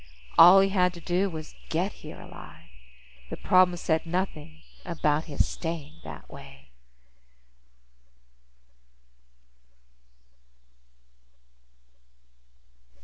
"All he had to do was get here alive. The problem said nothing about his staying that way."